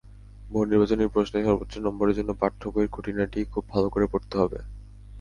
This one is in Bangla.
বহুনির্বাচনি প্রশ্নে সর্বোচ্চ নম্বরের জন্য পাঠ্যবইয়ের খুঁটিনাটি খুব ভালো করে পড়তে হবে।